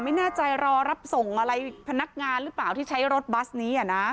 ไม่แน่ใจรอรับส่งอะไรพนักงานหรือเปล่าที่ใช้รถบัสนี้